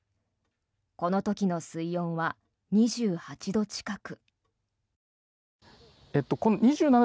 この時の水温は２８度近く。